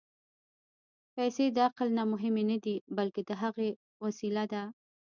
پېسې د عقل نه مهمې نه دي، بلکې د هغه وسیله ده.